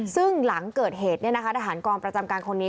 ซึ่งหลังเกิดเหตุทหารกองประจำการคนนี้